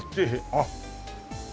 あっ。